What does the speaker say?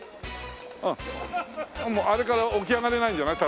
あれから起き上がれないんじゃない？